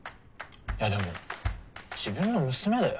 いやでも自分の娘だよ？